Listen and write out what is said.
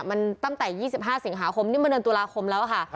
มันตั้งแต่๒๕สิงหาคมนี่มันเดือนตุลาคมแล้วค่ะ